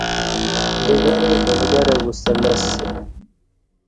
ڈگرہ بڈگرہ گوستہ لسہ